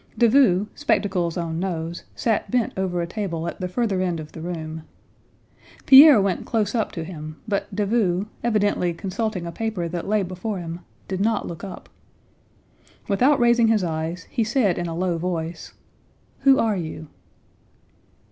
Davout, spectacles on nose, sat bent over a table at the further end of the room. Pierre went close up to him, but Davout, evidently consulting a paper that lay before him, did not look up. Without raising his eyes, he said in a low voice: "Who are you?"